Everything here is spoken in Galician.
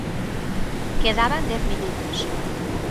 Quedaban dez minutos.